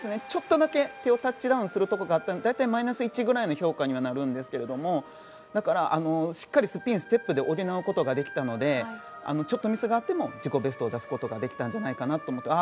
ちょっとだけ手をタッチダウンするところがあって大体マイナス１ぐらいの評価にはなるんですがだから、しっかりスピン、ステップで補うことができたのでちょっとミスがあっても自己ベストを出すことができたんじゃないかなって。